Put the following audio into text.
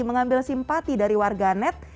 mengambil simpati dari warga net